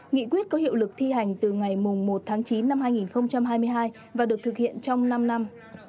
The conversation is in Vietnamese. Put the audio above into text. nghị quyết có hiệu lực thi hành từ ngày một tháng chín năm hai nghìn hai mươi hai và được thực hiện trong năm năm